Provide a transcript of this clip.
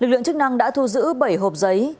lực lượng chức năng đã thu giữ bảy hộp giấy